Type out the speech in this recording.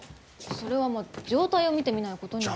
それは状態を見てみないことには。